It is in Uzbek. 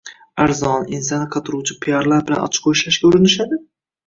arzon, ensani qotiruvchi piarlar bilan ochko ishlashga urinishadi?